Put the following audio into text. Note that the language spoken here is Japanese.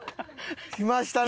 きましたね。